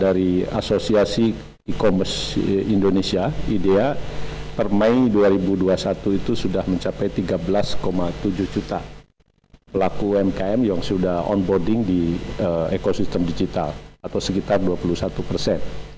dari asosiasi e commerce indonesia idea per mei dua ribu dua puluh satu itu sudah mencapai tiga belas tujuh juta pelaku umkm yang sudah onboarding di ekosistem digital atau sekitar dua puluh satu persen